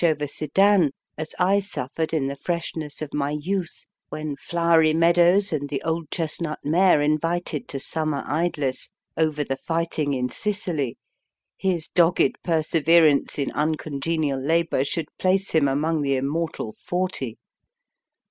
over Sedan as I suffered in the freshness of my youth, when flowery meadows and the old chestnut mare invited to summer idlesse, over the fighting in Sicily, his dogged perseverance in uncongenial labour should place him among the Immortal Forty.